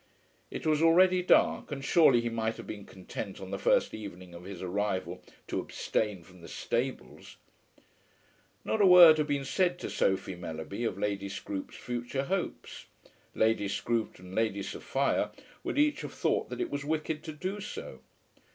It was already dark, and surely he might have been content on the first evening of his arrival to abstain from the stables! Not a word had been said to Sophie Mellerby of Lady Scroope's future hopes. Lady Scroope and Lady Sophia would each have thought that it was wicked to do so.